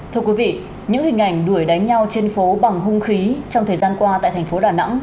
thưa quý vị những hình ảnh đuổi đánh nhau trên phố bằng hung khí trong thời gian qua tại thành phố đà nẵng